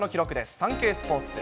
サンケイスポーツ。